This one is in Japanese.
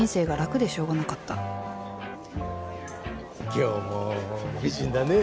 今日も美人だね